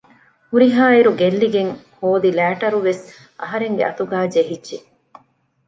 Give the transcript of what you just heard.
ހުރިހާއިރު ގެއްލިގެން ހޯދި ލައިޓަރުވެސް އަހަރެންގެ އަތުގައި ޖެހިއްޖެ